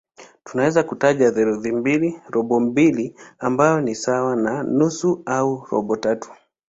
Tunaweza kutaja theluthi mbili, robo mbili ambayo ni sawa na nusu au robo tatu.